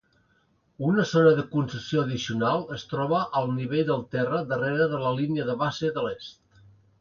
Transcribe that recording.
Una zona de concessió addicional es troba a al nivell del terra darrera de la línia de base de l'est.